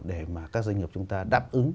để mà các doanh nghiệp chúng ta đáp ứng